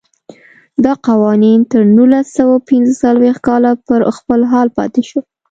دا قوانین تر نولس سوه پنځه څلوېښت کاله پر خپل حال پاتې شول.